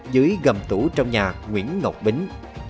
dưới gầm tủ trong nhà nguyễn ngọc bính